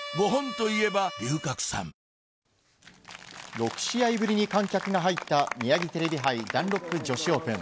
６試合ぶりに観客が入ったミヤギテレビ杯ダンロップ女子オープン。